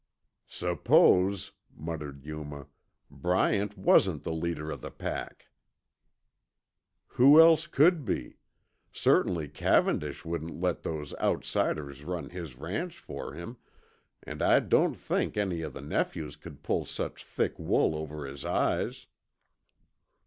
"Suppose," muttered Yuma, "Bryant wasn't the leader of the pack?" "Who else could be? Certainly Cavendish wouldn't let those outsiders run his ranch for him, and I don't think any of the nephews could pull such thick wool over his eyes."